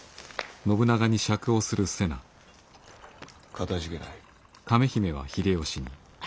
かたじけない。